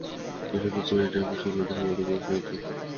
এসব পিচ্চি মেয়ে টাইপের স্বপ্ন দেখার মতো বয়স নেই তোর!